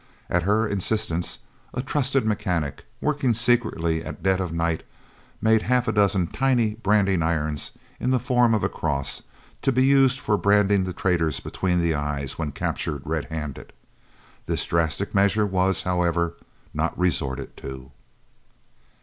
At her instance a trusted mechanic, working secretly at dead of night, made half a dozen tiny branding irons in the form of a cross, to be used for branding the traitors between the eyes, when captured red handed. This drastic measure was, however, not resorted to.